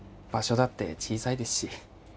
場所だって小さいですし。